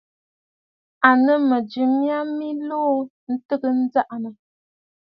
À nɨ̌ŋ mɨ̀jɨ mya mɨ luu ntɨgə njaʼanə.